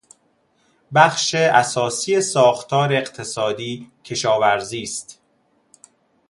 بخش اساسی ساختار اقتصادی کشاورزی است.